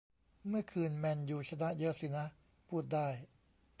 เมื่อคืนแมนยูชนะเยอะสินะ พูดได้